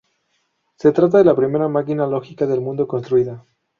Se trata de la primera máquina lógica del mundo construida.